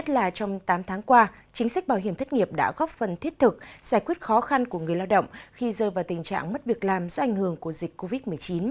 trong tám tháng qua chính sách bảo hiểm thất nghiệp đã góp phần thiết thực giải quyết khó khăn của người lao động khi rơi vào tình trạng mất việc làm do ảnh hưởng của dịch covid một mươi chín